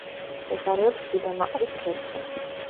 მდებარეობს გუდამაყრის ქედზე.